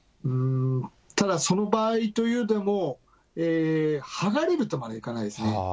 ただその場合というのも、剥がれるとまではいかないですね。